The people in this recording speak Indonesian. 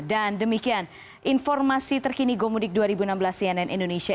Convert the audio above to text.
dan demikian informasi terkini gomudik dua ribu enam belas cnn indonesia